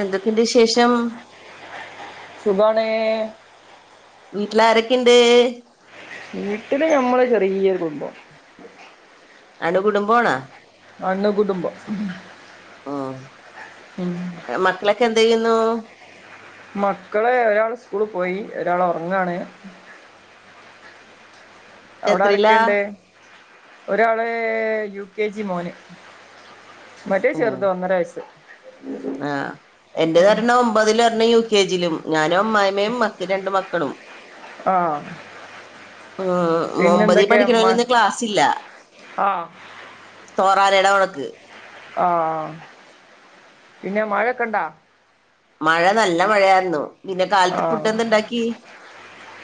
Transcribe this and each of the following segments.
എന്തൊക്കെണ്ട് വിശേഷം. സുഖാണ്. വീട്ടിലാരൊക്കെണ്ട്? വീട്ടില് ഞമ്മളൊരു ചെറിയൊരു കുടുംബം. അണു കുടുംബാണോ? അണു കുടുംബം. ഉം. ആഹ് മക്കളൊക്കെന്തെയ്യുന്നു? മക്കള് ഒരാള് സ്കൂള് പോയി ഒരാള് ഒർങ്ങാണ്. അവിടെ എത്രയിലാ ആരൊക്കെണ്ട് ഒരാള് യു കെ ജി മോന്. മറ്റേത് ചെറുതാ ഒന്നര വയസ്സ്‌. ആ എന്റെതൊരണ്ണം ഒമ്പതിലും ഒരെണ്ണം യു കെ ജിലുംന്നാലും അമ്മായിമ്മേം മക്ക രണ്ടു മക്കളും. ആ ഉം ഒമ്പതി പിന്നെന്തൊക്കെ മ പഠിക്കണോനിന്ന് ക്ലാസില്ല. ആ തോറാലെടെ വഴക്ക്. ആഹ പിന്നെ മഴൊക്കെണ്ടാ? മഴ നല്ല മഴയായിരുന്നു. പിന്നെ ആ കാലത്ത് ഫുഡ് എന്തെ ണ്ടാക്കി.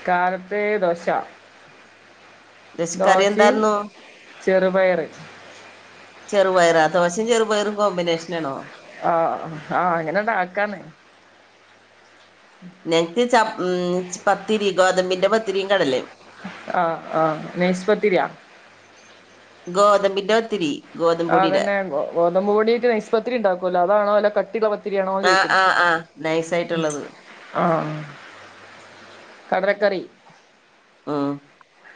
കാലത്ത് ദോശിം എന്തായിരുന്നു ചെറുപയറ്. ചെറുപയറോ ദോശിം ചെറുപയറും കോമ്പിനേഷനാണോ? ആഹ ആഹ് അങ്ങനെണ്ട ആക്കാന്ന്. [inaudible] നെക്ക് ച ഉം പത്തിരി ഗോതമ്പിന്റെ പത്തിരിം കടലേം. ആ ആ നൈസ്പത്തിരിയാ. ഗോതമ്പിന്റെ പത്തിരി. ഗോതമ്പ് ആ പൊടിയുടെ അതെന്നെ ഗോതമ്പ് പൊടീട്ട് നൈസ് പത്തിരി ഉണ്ടാക്കോല്ലോ അതാണോ അല്ല കട്ടിള്ള പത്തിരിയാണോന്ന് ചോയ്ക്ക്ണ്. നൈസായിട്ടുള്ളത്. ആ കടലക്കറി. ഉം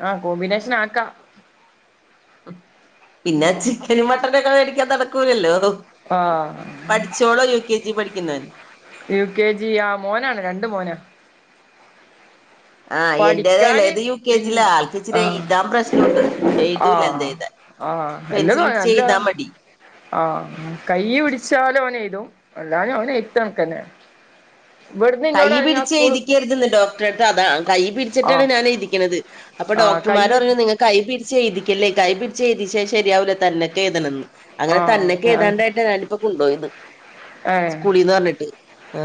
ആ കോമ്പി നേഷനാക്കാ. പിന്നെ ചിക്കനും മട്ടനൊക്കെ മേടിക്കാതെ നടക്കൂലല്ലോ. ഏ പഠിച്ചോളോ യു കെ ജി പഠിക്കുന്നെ. യു കെ ജി ആ മോനാണ് രണ്ട് മോനാ. ആഹ് എന്റേത് പഠിക്കാന് ഇളയത് യു കെ പിൻ ജിയില ആൾക്ക് ഇച്ചിരി ആ എഴുതാൻ പ്രശ്നമുണ്ട് എഴുതൂല എന്ത് ആഹ. എഴുതാൻ ആഹ പെൻസിൽ എല്ലതും പിടിച്ച് അല്ല എഴുതാൻ മടി ആഹ് കയ്യ് പിടിച്ചാല് ഓനെഴുതും അല്ലാഞ്ഞ ഓന് എഴ്ത്ത് കണക്കെന്നാ കൈയ്യ് സ്കൂള് പിടിച്ചെഴുതിക്കരുതെന്ന് ഡോക്ടറെടുത്ത് അതാ കൈ പിടിച്ചിട്ടാണ് ആഹ് ഞാൻ എഴുതിക്കണത്. അപ്പൊ ആഹ് കൈ ഡോക്ടർമാര് പറയും നിങ്ങക്ക്- കൈ പിടിച്ച്എഴുതിക്കല്ലേ കൈ പിടിച്ച് എഴുതിച്ചാ ശരിയാവൂല്ലാ തന്നൊക്കെ എഴുതണന്ന്. അങ്ങനെ ആഹ് തന്നെക്കെ ഞാൻ എഴുതാണ്ടായിട്ട് ഞാനിപ്പോ കൊണ്ടുയത് ഏഹ് സ്കൂളീന്ന് പറഞ്ഞിട്ട് ആ.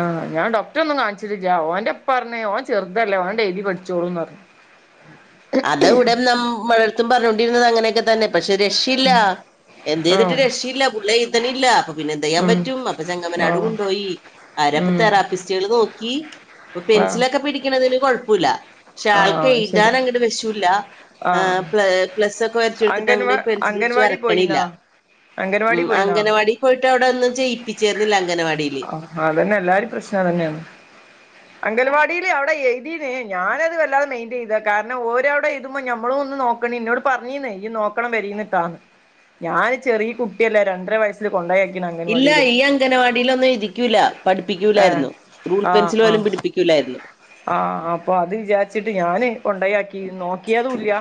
ആഹ് ഞാൻ ഡോകടെ ഒന്നും കാണിച്ചിട്ടില്ല ഓൻന്റെപ്പറഞ് ഓൻ ചെറുതല്ലേ ഒനണ്ട് എഴ്തി പഠിച്ചോളൂന്ന് റഞ്ഞ്. അത് ഇവിടെന്നും മ്മളടത്തും പറഞ്ഞോണ്ടിരുന്നത് അങ്ങനെയൊക്കെ തന്നെ പക്ഷെ രക്ഷയില്ല എന്ത് ആ ചെയ്തിട്ട് രക്ഷയില്ല പുള്ള തനില്ല അപ്പൊ പിന്നെ എന്തെയ്യാൻ ഉം പറ്റും അപ്പൊ ആ ചെങ്ങമ്മനാട് കൊണ്ടോയി ആരപ്പൊ ഉം തെറാപ്പിസ്റ്റുകൾ നോക്കി ഇപ്പോ ആ പെൻസിലൊക്കെ പിടിക്കണതിന് കൊഴപ്പല്ല ക്ഷെ ആ ആൾക്ക് ശരി എഴുതാനങ്ങട്ട് നിശൂല്ല ആ ഏ പ്ലസ വരച്ചെടുത്തിട്ട് അംഗൻവാ അങ്ങ പെൻസിൽ പിടിച്ച് അംഗൻവാടി വരക്കണില്ല പോയിന്നാ ഉ അംഗൻവാടി പോയിന്നാ അംഗനവാടി പോയിട്ട് അവിടെന്നും ചെയ്യിപ്പിരുന്നില്ല അംഗൻവാടി ആ അതന്നെ എല്ലാരും പ്രശ്നം അതന്നെയാണ് [inaudible] അംഗൽവാടിയില് അവടെ എഴുതിനു ഞാനത് വല്ലതെ മൈന്റ് ചെയ്തില്ല കാരണംഓരവിടെ എഴതുമ്പോൾ നമ്മളും ഒന്ന് നോക്ക ഇന്നോട് പറഞ്ഞീന്ന് ഇയി നോക്കണം പെരേന്ന്ട്ടോന്ന് ഞാന് ചെറിയ കുട്ടില്ലെ രണ്ടര വയസ് കൊണ്ടയക്കിന് അംഗൻവാടിയില് [unintelligible] അംഗനവാടിയിലൊന്നും ഇരിക്കൂല്ല ഏഹ് പഠിപ്പിക്കൂല്ലായിരുന്നു റൂൾ പെൻസിൽ പോലും പിടിപ്പിക്കൂല്ലായിരുന്നു ആഹ അപ്പൊ അത് വിചാരിച്ചിട്ട് ഞാന് കൊണ്ടയാക്കി നോക്കിയതും ഇല്ല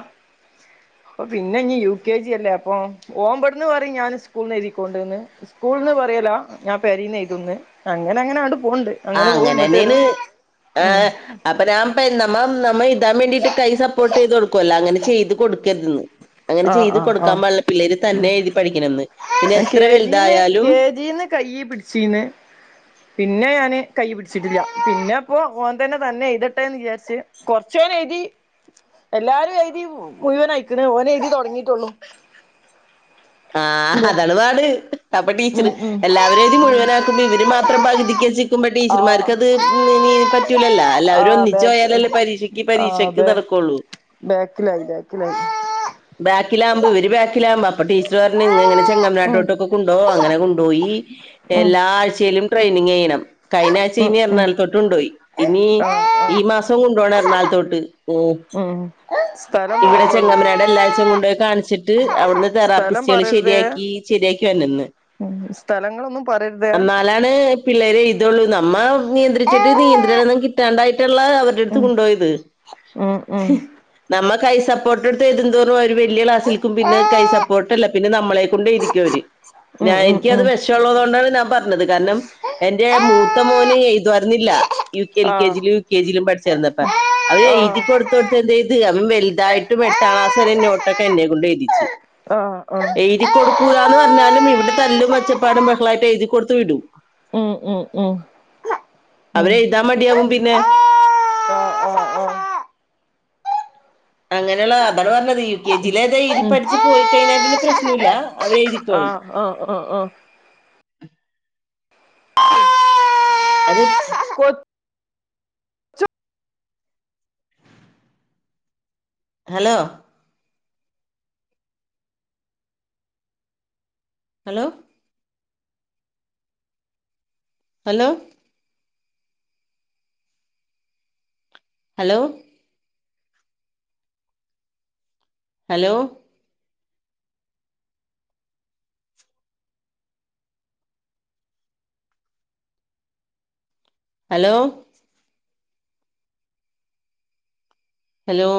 പ്പൊ പിന്നെ ഇനി യു കെ ജി അല്ലേ അപ്പൊ ഓമ്പടന്ന് പറയും ഞാൻ സ്കൂളന്ന് എഴുതി ക്കൊണ്ട്ന്ന് സ്കൂൾന്ന് പറയലോ ഞാൻ പെരിന്ന് എഴുതുന്ന് അങ്ങനെ അങ്ങനെ അങ്ങട്ട് പോണ്ട് ആ അങ്ങനെ പോകും ഇങ്ങട്ട് അങ്ങനെന്നെയാണ് വരും ആ ഉം അപ്പൊ ഞാൻ [unintelligible] നമ്മ താൻ വേണ്ടീട്ട് കൈ സപ്പോർട്ട് ചെയ്ത് കൊടുക്കുല്ലോ അങ്ങനെ ചെയ്ത് കൊടുക്കരുതന്ന് അങ്ങനെ ആഹ് ചെയ്ത് ആഹ് കൊടുക്കാൻ ആഹ് പാടില്ല പിള്ളേര് തന്നെ എഴുതി പഠിക്കണന്ന് കെ ജീന്ന് കെ ജീന്ന് കൈയിൽ പിടിച്ചീന് പിന്നെ ഞാന് കൈ പിടിച്ചിട്ടില്ല പിന്നെ അപ്പൊ ഓൻന്നെ തന്നെ എഴുതട്ടെന്ന് വിചാരിച്ച് കുറച്ചു ഓൻ എഴുതി എല്ലാരും എഴുതി മുഴുവൻ ആയിക്കണ് ഓൻ എഴുതി തുടങ്ങിയിട്ടുള്ളു ആഹ അതാണ് പാട് അപ്പൊ ഉം ടീച്ചറ് ഉം എല്ലാവരും ഇത് മുഴുവനാക്കുമ്പോ ഇവര് മാത്രം പകുതിക്ക വെച്ച് നിൽക്കുമ്പോ ആഹ് ടീച്ചർമാർക്ക് അത് ഉം ന് പറ്റൂലല്ല എല്ലാവരും ആഹ് ഒന്നിച്ച് ബാക്ക് പോയാലല്ലേ പരീക്ഷക്ക് പരീക്ഷയ്ക്ക് നടക്കുള്ളൂ ബേക്കിലായി ബേക്കിലായി ബാക്കിലാകുമ്പോ ഇവർ ബാക്കിലാവുമ്പോ അപ്പൊ ടീച്ചർ പറഞ്ഞു ഇങ്ങനെ ചെങ്കണ്ണ് ഉം ആകുമ്പോ കൊണ്ടോ അങ്ങനെ കൊണ്ടുപോയി ഉം എല്ലാ ആഴ്ചയിലും ട്രെയിനിങ് ചെയ്യണം കഴിഞ്ഞാഴ്ച ഉം ഇനി ഉം എറണാകുളത്തേക്ക് കൊണ്ട് പോയി ഇനി ആഹ് ഈ ആഹ് മാസംകൊണ്ടുപോകണം എറണകുളത്തേക്ക് ഉം സ്ഥലം ഇവിടെ പറയാൻ പാടില്ല ചെങ്ങമ്മനാട് എല്ലാഴച്ചും കൊണ്ടപോയി കാണിച്ചിട്ട് അവിടുന്ന് തെറാപ്പിസ് സ്ഥലം ചെളി പറയരുതേ ശരിയാക്കി ശരിയാക്കി വന്ന നിന്ന് നീങ്ങളൊന്നും പറയരുത് എന്നലാണ് പിള്ളേര് എഴുതുകയൊള്ളു നമ്മ നിയന്ത്രിച്ചിട്ട് നിയത്രി ടെന്നും കിട്ടാണ്ടായിട്ടുള്ള അവരുടെടുത്ത് ഉം കൊണ്ടുപോയത് ഉം ഉം നമ്മൾ കൈ സപ്പോർട്ട് എടുത്ത് എഴുതന്തോറും ഒരു വലിയ ക്ലാസ്സൽക്കും പിന്നെ കൈ സപ്പോർട്ട് പിന്നെ നമ്മളെ കൊണ്ടേ നമ്മളെ എഴുതിക്കും അവര് പിന്നെ ഉം ഉം എനിക്കത് ഉം വശം ഉള്ളത് കൊണ്ടാണ് ഞാൻ പറഞ്ഞത് പറയുന്നത് കാരണം എന്റെ മൂത്ത മോന് എഴുതുമായിരുന്നില്ല എൽ കെ ആഹ് ജിയിലും യു കെ ജിയിലും പഠിച്ചിരുന്നപ്പോ അവര് ആഹ് എഴുതി കൊടുത്ത കൊടുത്ത് എന്ത ചെയ്ത് അവൻവലുതായിട്ടും എട്ടാം ക്ലാസ് വരെ നോട്ടൊക്കെ എന്നെ കൊണ്ട് എഴുതിച്ചു ആഹ ആഹ എഴുതിക്ക കൊടുക്കൂലന്ന് പറഞ്ഞാലും ഇവിടെ തല്ലും ഒച്ചപ്പാടും ബഹളമായിട്ട് എഴുതി കൊടുത്തു വിടൂ ഉം ഉ ഉം ഉം അവര് എഴുതാൻ മടിയാവും പിന്നെ ആഹ് ആഹ് ആഹ് അങ്ങനെയുള്ള അതാണ് പറഞ്ഞത് യു കെ ജിയിലഏതാ എഴുതി ഉം പഠിച്ച് പോയി കഴഞ്ഞാൽ പ്രശ്നമില്ല അവർ എഴുതിക്കോളും ഒഹ് ഒഹ് ഒഹ് ഒഹ് അത് കൊ hello hello hello hello hello hello hello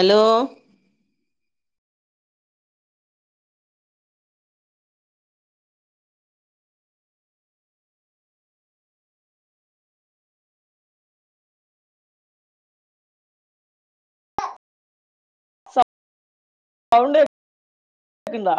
hello sound കേൾക്കുണ്ടോ